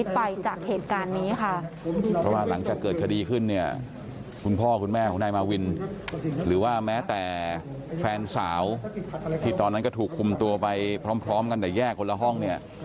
แต่แฟนสาวที่ตอนนั้นก็ถูกคุ้มตัวไปพร้อมกันแต่แย่กล่อห้อง